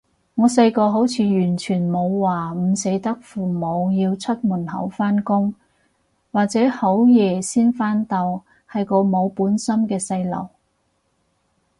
我細個好似完全冇話唔捨得父母要出門口返工或者好夜先返到，係個冇本心嘅細路